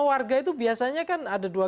warga itu biasanya kan ada dua